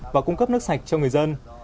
và cung cấp nước sạch cho người dân